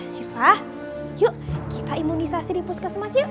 siva yuk kita imunisasi di puskesmas yuk